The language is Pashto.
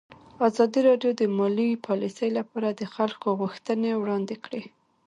ازادي راډیو د مالي پالیسي لپاره د خلکو غوښتنې وړاندې کړي.